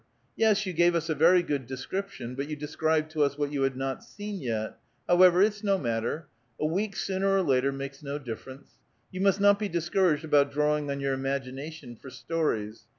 Yes, you gave us a very good description, but you described to us what you had not seen yet; however, it's no matter. A week sooner or later makes no difference. You must not be discouraged about drawing on your imagi nation for stories.